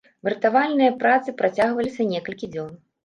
Выратавальныя працы працягваліся некалькі дзён.